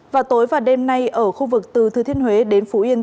và tối và đêm nay ở khu vực từ thư thiên huế đến phú yên